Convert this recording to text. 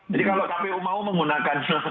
jadi kalau kpu mau menggunakan